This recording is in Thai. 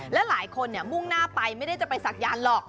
และหลายคนมุ่งหน้าไปไม่ได้จะไปศักยานหรอก